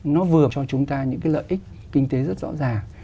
nó vừa cho chúng ta những cái lợi ích kinh tế rất rõ ràng